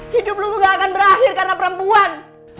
hidup lu tuh gak akan berakhir karena perempuan